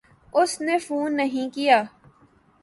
اس نے فون نہیں کیا۔